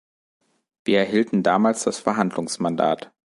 Wir erhielten damals das Verhandlungsmandat.